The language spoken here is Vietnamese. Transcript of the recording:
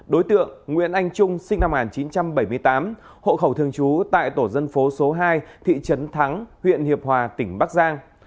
đối tượng nguyễn anh trung sinh năm một nghìn chín trăm bảy mươi tám hộ khẩu thường trú tại tổ dân phố số hai thị trấn thắng huyện hiệp hòa tỉnh bắc giang